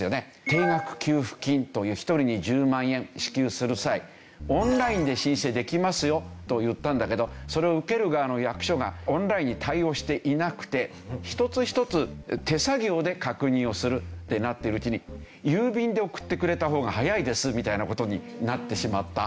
定額給付金という１人に１０万円支給する際オンラインで申請できますよと言ったんだけどそれを受ける側の役所がオンラインに対応していなくて一つ一つ手作業で確認をするってなってるうちに郵便で送ってくれた方が早いですみたいな事になってしまった。